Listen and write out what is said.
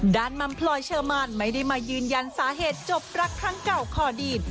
มัมพลอยเชอร์มานไม่ได้มายืนยันสาเหตุจบรักครั้งเก่าคอดีน